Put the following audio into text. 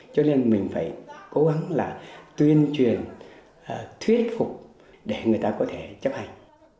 cho nên mình phải cố gắng là tuyên truyền thuyết phục để người ta có thể chấp hành